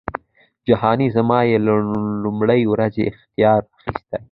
جهانی زما یې له لومړۍ ورځی اختیار اخیستی